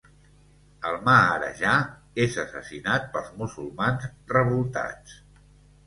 El Maharajà és assassinat pels musulmans revoltats.